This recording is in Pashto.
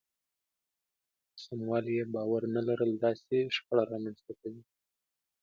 په سموالي يې باور نه لرل داسې شخړه رامنځته کوي.